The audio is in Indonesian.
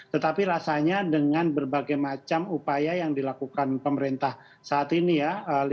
tetapi rasanya dengan berbagai macam upaya yang dilakukan pemerintah saat ini ya